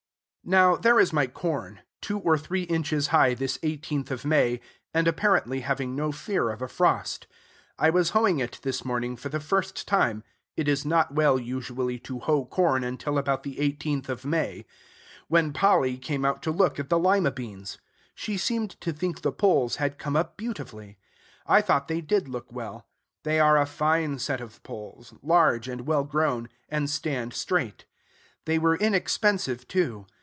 Now, there is my corn, two or three inches high this 18th of May, and apparently having no fear of a frost. I was hoeing it this morning for the first time, it is not well usually to hoe corn until about the 18th of May, when Polly came out to look at the Lima beans. She seemed to think the poles had come up beautifully. I thought they did look well: they are a fine set of poles, large and well grown, and stand straight. They were inexpensive, too.